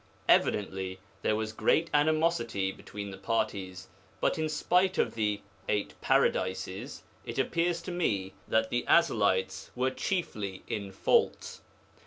Evidently there was great animosity between the parties, but, in spite of the Eight Paradises, it appears to me that the Ezelites were chiefly in fault.